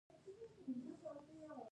هغوی د مینه په خوا کې تیرو یادونو خبرې کړې.